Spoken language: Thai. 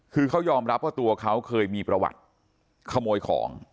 คือเขายอมรับว่าตัวเขาเคยมีประวัติขโมยของ